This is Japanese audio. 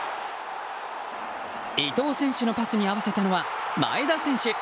伊東選手のパスに合わせたのは前田選手。